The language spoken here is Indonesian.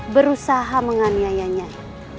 berusaha menganiaya nyai